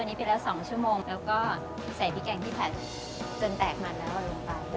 อันนี้ปีละ๒ชั่วโมงแล้วก็ใส่พริกแกงที่ผัดจนแตกมันแล้วเราลงไป